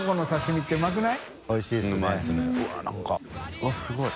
うわっすごい。